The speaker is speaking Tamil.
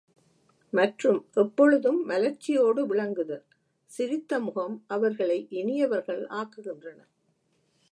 மற்றும் எப்பொழுதும் மலர்ச்சியோடு விளங்குதல், சிரித்த முகம் அவர்களை இனியவர்கள் ஆக்குகின்றன.